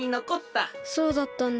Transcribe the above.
そうだったんだ。